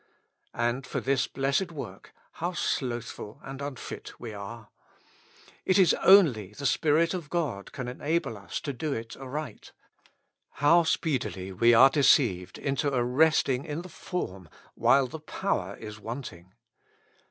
And for this blessed work, how slothful and unfit we are. It is only the Spirit of God can enable us to do it aright. How speedily we are deceived into a resting in the form, while the power is wanting.